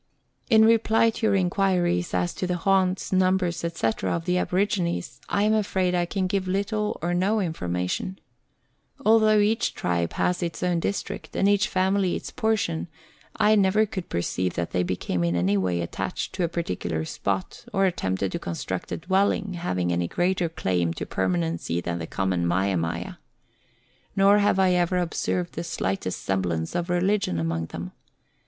In reply to your inquiries as to the haunts, numbers, &c., of the aborigines, I am afraid I can give little or no information. Al though each tribe has its own district, and each family its portion, I never could perceive that they became in any way attached to a particular spot, or attempted to construct a dwelling having any greater claim to permanency than the common mia mia. Xor have I ever observed the slightest semblance of religion among them.